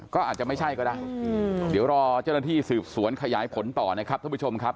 ก็อาจจะไม่ใช่ก็ได้เดี๋ยวรอเจ้าหน้าที่สืบสวนขยายผลต่อนะครับท่านผู้ชมครับ